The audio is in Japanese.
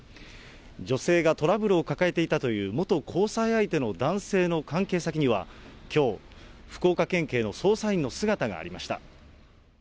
女性がトラブルを抱えていたという元交際相手の男性の関係先にはきょう、福岡県警の捜査員の姿がありました。